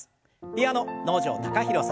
ピアノ能條貴大さん。